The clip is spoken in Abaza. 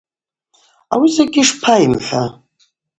Ауи закӏгьи шпайымхӏва?